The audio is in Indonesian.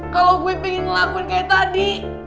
kalau gue pengen lagun kayak tadi